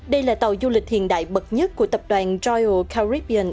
đây là tàu du lịch hiện đại bậc nhất của tập đoàn royal caribean